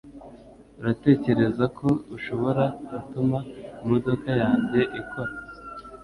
Uratekereza ko ushobora gutuma imodoka yanjye ikora?